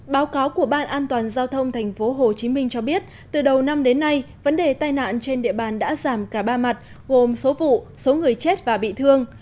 báo cáo của ban an toàn giao thông tp hcm cho biết từ đầu năm đến nay vấn đề tai nạn trên địa bàn đã giảm cả ba mặt gồm số vụ số người chết và bị thương